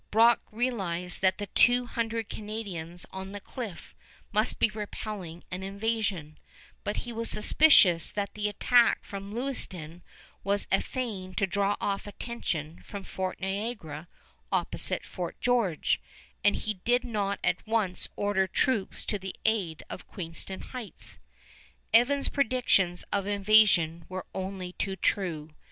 Brock realized that the two hundred Canadians on the cliff must be repelling an invasion, but he was suspicious that the attack from Lewiston was a feint to draw off attention from Fort Niagara opposite Fort George, and he did not at once order troops to the aid of Queenston Heights. [Illustration: GENERAL BROCK] Evans' predictions of invasion were only too true.